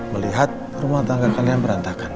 melihat rumah tangga kalian berantakan